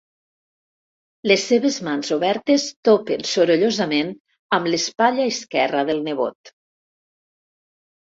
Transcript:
Les seves mans obertes topen sorollosament amb l'espatlla esquerra del nebot.